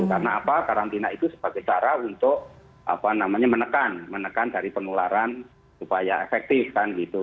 karena apa karantina itu sebagai cara untuk menekan dari penularan supaya efektif kan gitu